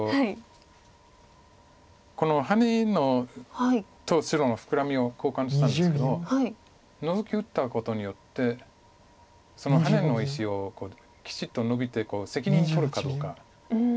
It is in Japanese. このハネと白のフクラミを交換したんですけどノゾキ打ったことによってそのハネの石をきちっとノビて責任取るかどうか。